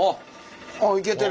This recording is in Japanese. あっいけてる。